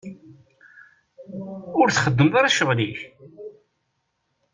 Ur txeddmeḍ ara ccɣel-ik?